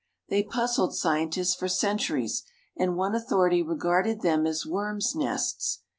They puzzled scientists for centuries, and one authority regarded them as worms' nests.